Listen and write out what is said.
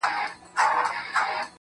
تنکی رويباره له وړې ژبي دي ځارسم که نه,